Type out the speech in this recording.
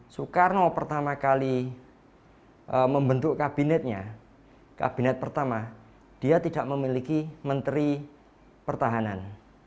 soekarno pertama kali membentuk kabinetnya kabinet pertama dia tidak memiliki menteri pertahanan